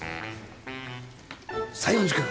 西園寺君。